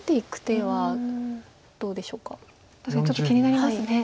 確かにちょっと気になりますね。